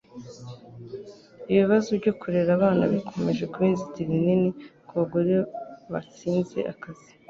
Ibibazo byo kurera abana bikomeje kuba inzitizi nini ku bagore batsinze akazi